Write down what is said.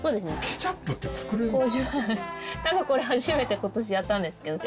なんかこれ初めて今年やったんですけど。